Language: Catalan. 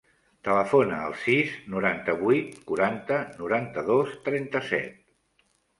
Telefona al sis, noranta-vuit, quaranta, noranta-dos, trenta-set.